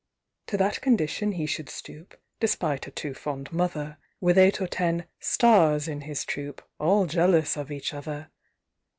To that condition he should stoop (Despite a too fond mother), With eight or ten "stars" in his troupe, All jealous of each other!